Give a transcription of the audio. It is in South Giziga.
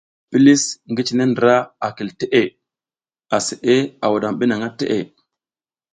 Pilis ngi cine ndra a kil teʼe, aseʼe a wuɗam bi nang teʼe.